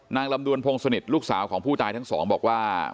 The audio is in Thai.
ลำดวนพงศิษฐ์ลูกสาวของผู้ตายทั้งสองบอกว่า